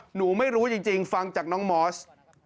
หนูไม่รู้จริงฟังจากน้องมอส